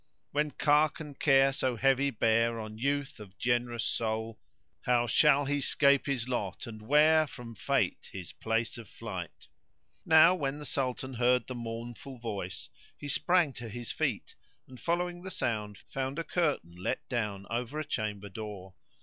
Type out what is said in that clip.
When cark and care so heavy bear on youth[FN#112] of generous soul * How shall he 'scape his lot and where from Fate his place of flight? Now when the Sultan heard the mournful voice he sprang to his feet; and, following the sound, found a curtain let down over a chamber door.